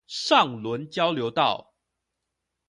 上崙交流道